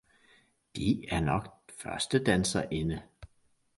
De er nok førstedanserinde!